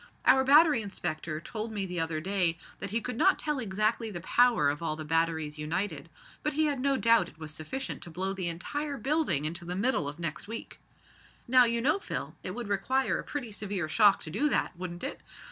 Our Battery Inspector told me the other day that he could not tell exactly the power of all the batteries united, but he had no doubt it was sufficient to blow the entire building into the middle of next week. Now you know, Phil, it would require a pretty severe shock to do that, wouldn't it?